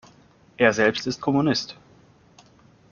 Er selbst ist Kommunist.